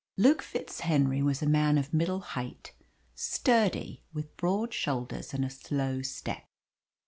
Luke FitzHenry was a man of middle height, sturdy, with broad shoulders and a slow step.